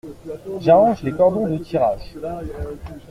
J’arrange les cordons de tirage.